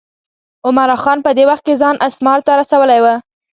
عمرا خان په دې وخت کې ځان اسمار ته رسولی و.